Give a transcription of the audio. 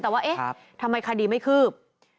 แต่ว่าเอ๊ะทำไมคดีไม่คืบ